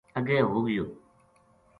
اگے ہو گیو